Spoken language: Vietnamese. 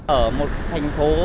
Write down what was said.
ở một thành phố